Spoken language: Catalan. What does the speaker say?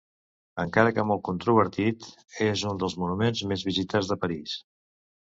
Encara que molt controvertit, és un dels monuments més visitats de París.